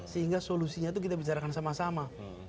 sehingga solusinya itu kita bicarakan sama sama